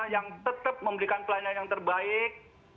yang tetap memberikan pelayanan yang terbaik